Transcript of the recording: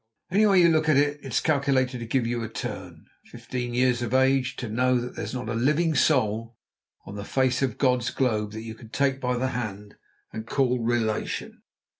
Any way you look at it, it's calculated to give you a turn; at fifteen years of age, to know that there's not a living soul on the face of God's globe that you can take by the hand and call relation.